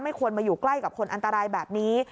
ควรมาอยู่ใกล้กับคนอันตรายแบบนี้